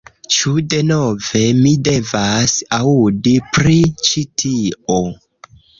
"Ĉu denove, mi devas aŭdi pri ĉi tio"